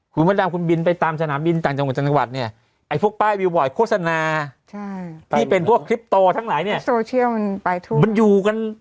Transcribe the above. คุณต้องก่อนบินไปตามสนามบินข้างจังหวัดบีนจังหวัดเนี่ยไอ้พวกป้ายวิวบ่อยโฆษณาที่เป็นพวกนี่แหละมันอยู่กัน